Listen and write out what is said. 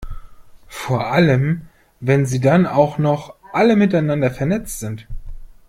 Vor allem, wenn sie dann auch noch alle miteinander vernetzt sind.